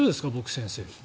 先生。